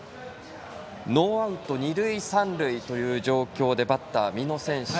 ノーアウト二塁三塁という状況でバッターは美濃選手。